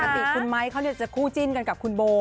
ปกติคุณไม้เขาจะคู่จิ้นกันกับคุณโบ